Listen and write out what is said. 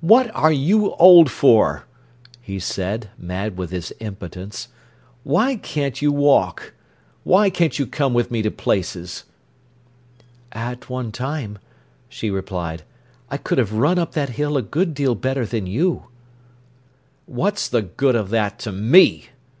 "What are you old for!" he said, mad with his impotence. "Why can't you walk? Why can't you come with me to places?" "At one time," she replied, "I could have run up that hill a good deal better than you." "What's the good of that to _me?